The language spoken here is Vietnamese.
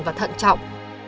và thận trọng